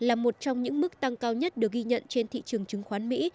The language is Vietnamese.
là một trong những mức tăng cao nhất được ghi nhận trên thị trường chứng khoán mỹ